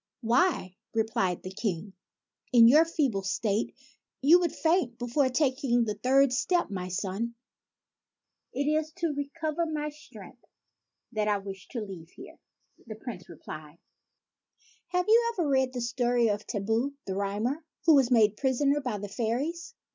" Why," replied the King, " in your feeble state, you would faint before taking the third step, my son." " It is to recover my strength that I wish to leave here," A POOR DIET 77 the Prince replied. " Have you ever read the story of Thibaut, the Rhymer, who was made prisoner by the fairies